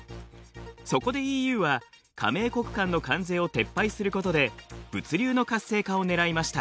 そこでＥＵは加盟国間の関税を撤廃することで物流の活性化をねらいました。